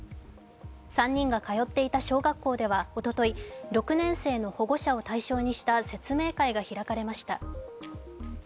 ３人が通っていた小学校ではおととい、６年生の保護者を対象とした説明会が開かれました。